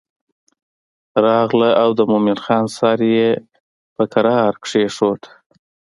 راغله او د مومن خان سر یې په کرار کېښود.